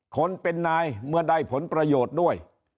คนเป็นนายเมื่อได้ผลประโยชน์ด้วย